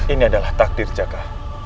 ini adalah takdir jaga